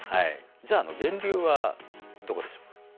じゃあ源流はどこでしょう。